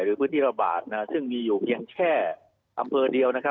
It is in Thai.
หรือพื้นที่ระบาดซึ่งมีอยู่เพียงแค่อำเภอเดียวนะครับ